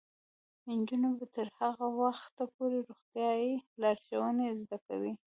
نجونې به تر هغه وخته پورې روغتیايي لارښوونې زده کوي.